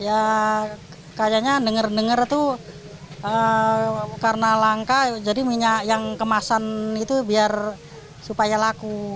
ya kayaknya denger denger itu karena langka jadi minyak yang kemasan itu biar supaya laku